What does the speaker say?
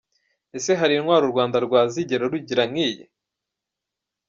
Ese hari intwari u Rwanda rwazigera rugira nkiyi?